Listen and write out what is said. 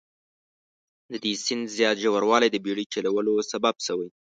د دې سیند زیات ژوروالی د بیړۍ چلولو سبب شوي.